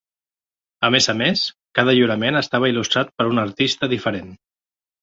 A més a més, cada lliurament estava il·lustrat per un artista diferent.